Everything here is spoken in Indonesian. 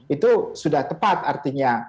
itu sudah tepat artinya